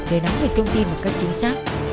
để nắm được thông tin một cách chính xác